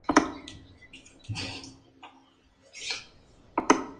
Y Yamato Transporte Co, con cargo Ferrocarril de Carga de Japón de servicio Co.